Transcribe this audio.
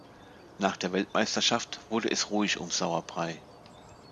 Nach der Weltmeisterschaft wurde es ruhig um Sauerbrey.